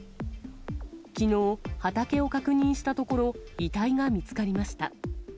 きのう、畑を確認したところ、遺体が見つかりました。